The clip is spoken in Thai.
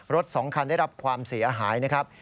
๒คันได้รับความเสียหายนะครับ